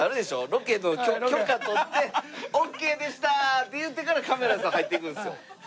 ロケの許可とって「オッケーでした」って言ってからカメラさん入っていくんですよ。